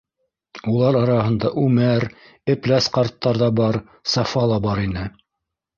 Улар араһында Үмәр, Эпләс ҡарттар ҙа бар, Сафа ла бар ине.